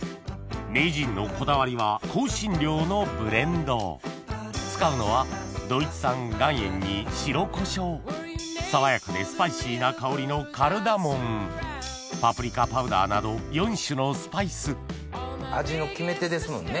名人のこだわりは香辛料のブレンド使うのは爽やかでスパイシーな香りのカルダモンパプリカパウダーなど４種のスパイス味の決め手ですもんね